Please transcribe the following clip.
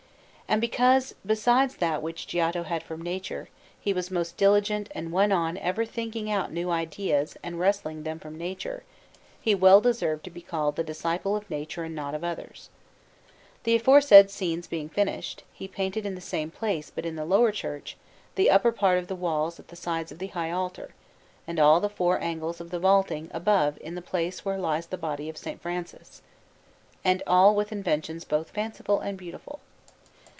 And because, besides that which Giotto had from nature, he was most diligent and went on ever thinking out new ideas and wresting them from nature, he well deserved to be called the disciple of nature and not of others. The aforesaid scenes being finished, he painted in the same place, but in the lower church, the upper part of the walls at the sides of the high altar, and all the four angles of the vaulting above in the place where lies the body of S. Francis; and all with inventions both fanciful and beautiful.